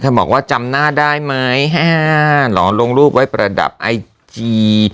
บอกว่าจำหน้าได้ไหมอ่าเหรอลงรูปไว้ประดับไอจี